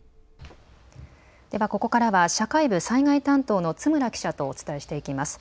ではここからは社会部災害担当の津村記者とお伝えしていきます。